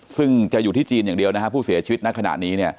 ซึ่งจะอยู่ที่จีนอย่างเดียวนะฮะผู้เสียชีวิตณขณะนี้